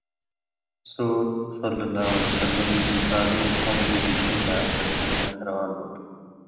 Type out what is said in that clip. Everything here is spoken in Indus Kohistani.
سو ﷺ ذی قعدَیں پان٘ژُوئ بیۡشَیں لا مدینہ نہ روان ہُون٘دوۡ؛